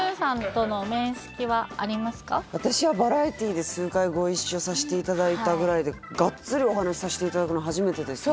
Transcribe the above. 私はバラエティーで数回ご一緒させていただいたぐらいでガッツリお話しさせていただくの初めてですね